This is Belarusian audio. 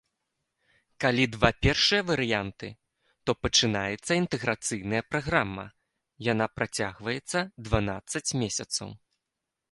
Калі два першыя варыянты, то пачынаецца інтэграцыйная праграма, яна працягваецца дванаццаць месяцаў.